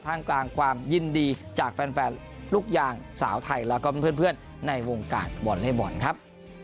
กลางความยินดีจากแฟนลูกยางสาวไทยแล้วก็เพื่อนในวงการวอลเล่บอลครับ